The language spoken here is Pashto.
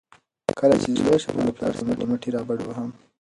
کله چې زه لوی شم نو له پلار سره به مټې رابډوهم.